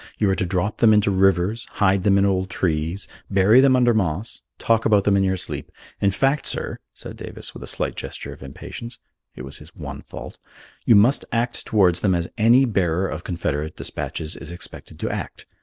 You are to drop them into rivers, hide them in old trees, bury them under moss, talk about them in your sleep. In fact, sir," said Davis, with a slight gesture of impatience it was his one fault "you must act towards them as any bearer of Confederate despatches is expected to act.